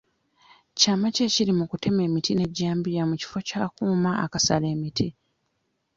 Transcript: Kyama ki ekiri mu kutema emiti n'ejjambiya mu kifo ky'akuuma akasala emiti?